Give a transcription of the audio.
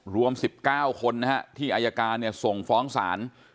รวม๑๙คนนะครับที่อายการเนี่ยส่งฟ้องสาร